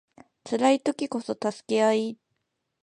辛い時こそ助け合い